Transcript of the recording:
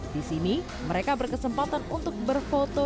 di sini mereka berkesempatan untuk berfoto